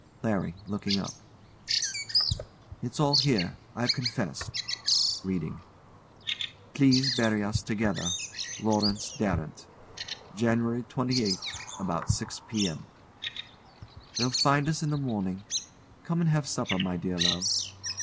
] LARRY. [Looking up] It's all here I've confessed. [Reading] "Please bury us together." "LAURENCE DARRANT. "January 28th, about six p.m." They'll find us in the morning. Come and have supper, my dear love.